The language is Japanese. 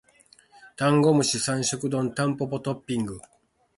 ダンゴムシ三食丼タンポポトッピング